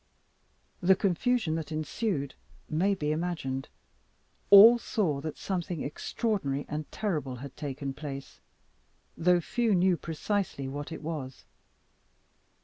The confusion that ensued may be imagined. All saw that something extraordinary and terrible had taken place, though few knew precisely what it was.